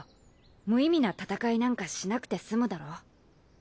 無意味な闘いなんかしなくて済むだろ？